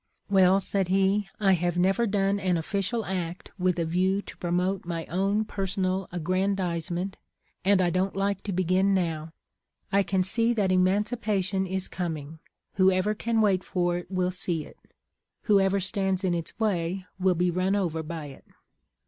' Well,' said he, ' I have never done an official act with a \ iew to .promote my own personal aggrandizement, and I don't like to begin now. I can see that emancipation is com ing; whoever can wait for it will see it; whoever stands in its way will be run o.ver by it.